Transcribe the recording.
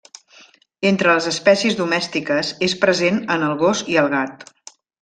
Entre les espècies domèstiques, és present en el gos i el gat.